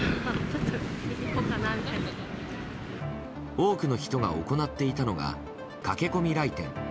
多くの人が行っていたのが駆け込み来店。